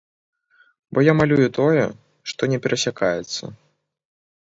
Бо я малюю тое, што не перасякаецца.